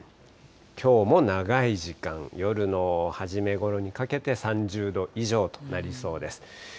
きょうも長い時間、夜の初めごろにかけて３０度以上となりそうです。